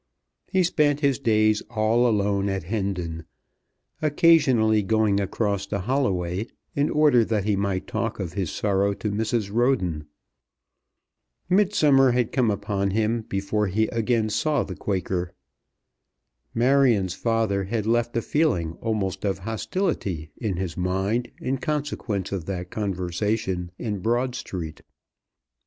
He spent his days all alone at Hendon, occasionally going across to Holloway in order that he might talk of his sorrow to Mrs. Roden. Midsummer had come upon him before he again saw the Quaker. Marion's father had left a feeling almost of hostility in his mind in consequence of that conversation in Broad Street.